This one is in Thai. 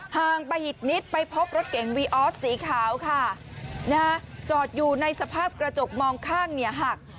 ห่างไปอีกนิดไปพบรถเก๋งวีออสสีขาวค่ะนะฮะจอดอยู่ในสภาพกระจกมองข้างเนี่ยหัก